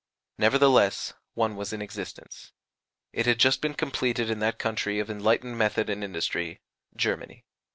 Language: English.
Nevertheless one was in existence: it had just been completed in that country of enlightened method and industry Germany.